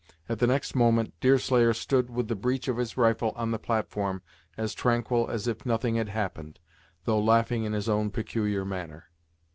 At the next moment, Deerslayer stood with the breech of his rifle on the platform, as tranquil as if nothing had happened, though laughing in his own peculiar manner.